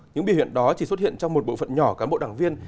những biểu hiện đó chỉ xuất hiện trong một bộ phận nhỏ cán bộ đảng viên